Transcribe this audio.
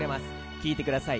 聴いてください